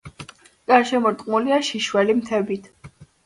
გარშემორტყმულია შიშველი მთებით.